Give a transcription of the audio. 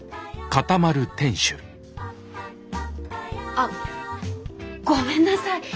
あっごめんなさい。